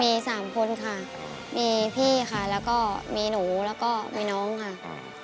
มีสามคนค่ะมีพี่ค่ะแล้วก็มีหนูแล้วก็มีน้องค่ะ